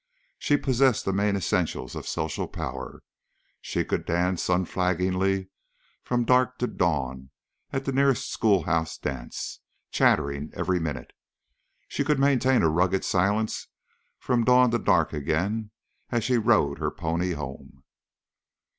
She possessed the main essentials of social power; she could dance unflaggingly from dark to dawn at the nearest schoolhouse dance, chattering every minute; and she could maintain a rugged silence from dawn to dark again, as she rode her pony home.